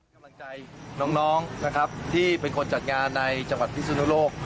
กำลังใจน้องนะครับที่เป็นคนจัดงานในจังหวัดพิสุนุโลก